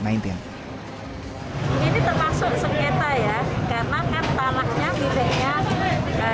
ini termasuk sekita ya karena kan tanahnya bibirnya